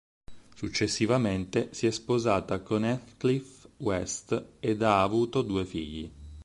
Successivamente si è sposata con Heathcliff West ed ha avuto due figli.